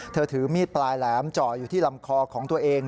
ถือมีดปลายแหลมจ่ออยู่ที่ลำคอของตัวเอง